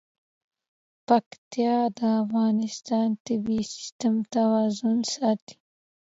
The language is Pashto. پکتیا د افغانستان د طبعي سیسټم توازن ساتي.